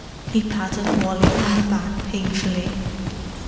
He patted Wally on the back painfully.